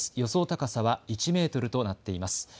高さは１メートルとなっています。